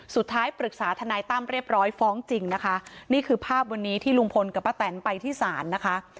สุดท้ายปรึกษาทนายตั้มเรียบร้อยฟ้องจริงนะคะนี่คือภาพวันนี้ที่ลุงพลกับป้าแตนไปที่ศาลนะคะ